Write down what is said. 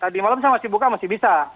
tadi malam saya masih buka masih bisa